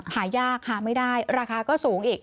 หายากหาไม่ได้ราคาก็สูงอีก